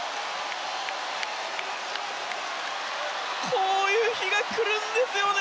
こういう日が来るんですね